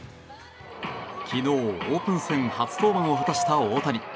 昨日、オープン戦初登板を果たした大谷。